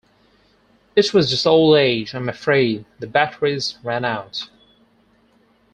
It was just old age, I'm afraid - the batteries ran out.